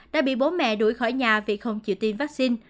đã bị bố mẹ đuổi khỏi nhà vì không chịu tiêm vaccine